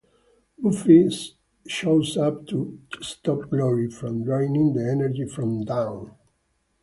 Buffy shows up to stop Glory from draining the energy from Dawn.